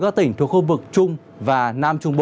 và các tỉnh thuộc khu vực trung và nam